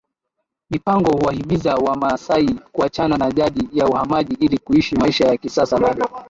mipango kuwahimiza Wamasai kuachana na jadi ya uhamaji ili kuishi maisha ya kisasa bado